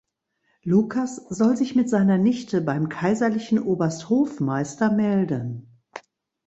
Lukas soll sich mit seiner Nichte beim kaiserlichen Obersthofmeister melden.